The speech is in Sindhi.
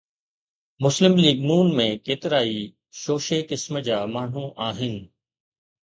مسلم ليگ (ن) ۾ ڪيترائي شوشي قسم جا ماڻهو آهن.